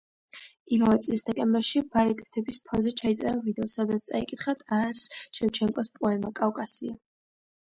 იმავე წლის დეკემბერში ბარიკადების ფონზე ჩაწერა ვიდეო, სადაც წაიკითხა ტარას შევჩენკოს პოემა „კავკასია“.